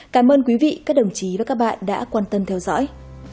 cảm ơn quý vị các đồng chí và các bạn đã quan tâm theo dõi